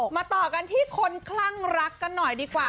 มาต่อกันที่คนคลั่งรักกันหน่อยดีกว่า